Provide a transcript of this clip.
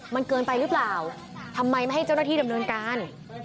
มันเกินไปหรือเปล่าทำไมไม่ให้เจ้าหน้าที่ดำเนินการ